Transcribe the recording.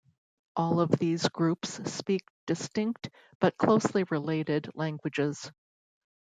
All of these groups speak distinct, but closely related, languages.